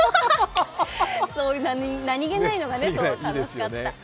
そういう、何気ないのが楽しかった。